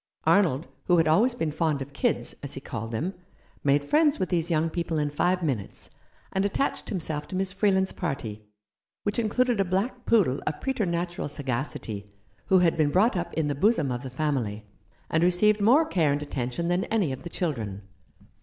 Arnold, who had always been fond of "kids," as he called them, made friends with these young people in five minutes, and attached himself to Miss Freeland's party, which included a black poodle of preternatural 15 Rough Justice. sagacity, who had been brought up in the bosom of the family, and received more care and attention than any of the children.